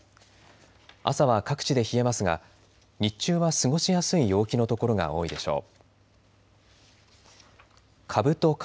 朝は各地で冷えますが日中は過ごしやすい陽気の所が多いでしょう。